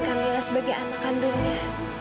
kamilah sebagai anak kandungnya